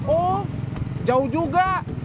oh jauh juga